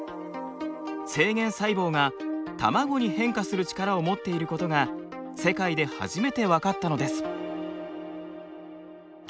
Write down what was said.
精原細胞が卵に変化する力を持っていることが世界で初めて分かったのです。